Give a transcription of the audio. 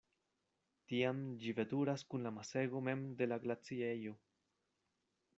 Tiam ĝi veturas kun la masego mem de la glaciejo.